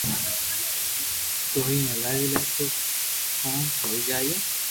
تو بي ھلاوي لي تو ڪوم ھوئي جائي